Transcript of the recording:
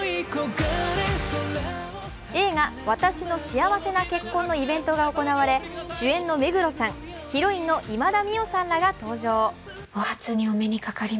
映画「わたしの幸せな結婚」のイベントが行われ主演の目黒さん、ヒロインの今田美桜さんらが登場。